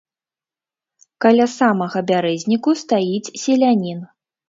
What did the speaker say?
Каля самага бярэзніку стаіць селянін.